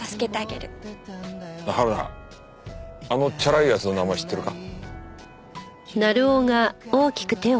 はるなあのチャラい奴の名前知ってるか？